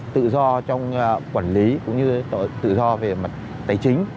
tự do trong quản lý cũng như tự do về mặt tài chính